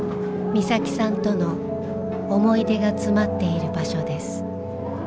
美咲さんとの思い出が詰まっている場所です。